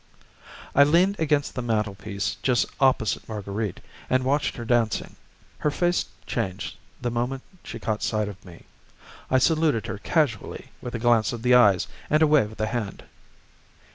I leaned against the mantel piece just opposite Marguerite and watched her dancing. Her face changed the moment she caught sight of me. I saluted her casually with a glance of the eyes and a wave of the hand.